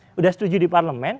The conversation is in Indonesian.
sudah setuju di parlemen